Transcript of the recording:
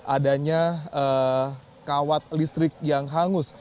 adanya kawat listrik yang hangus